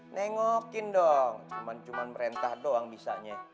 nengokin dong cuman merentah doang bisanya